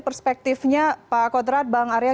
perspektifnya pak kodrat bang arya